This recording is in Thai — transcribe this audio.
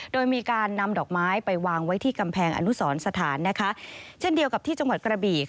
โดยมีการนำดอกไม้ไปวางไว้ที่กำแพงอนุสรสถานนะคะเช่นเดียวกับที่จังหวัดกระบี่